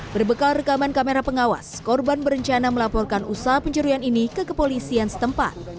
berbekal rekaman kamera pengawas korban berencana melaporkan usaha pencurian ini ke kepolisian setempat